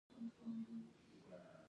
تاسو دلته د کومې موخې لپاره راغلي ياست؟